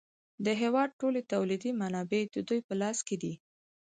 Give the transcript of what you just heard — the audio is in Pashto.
د هېواد ټولې تولیدي منابع د دوی په لاس کې دي